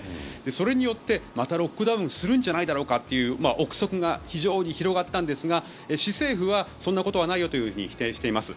それによってまたロックダウンするんじゃないだろうかという臆測が非常に広がったんですが市、政府はそんなことはないよと否定しています。